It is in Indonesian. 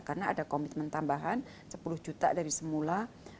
karena ada komitmen tambahan sepuluh juta dari semula